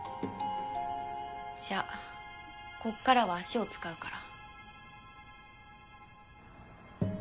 じゃこっからは足を使うから。